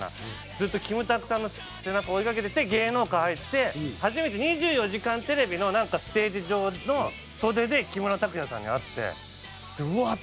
ずっとキムタクさんの背中を追いかけてて芸能界入って初めて『２４時間テレビ』のステージ上の袖で木村拓哉さんに会ってうわっ！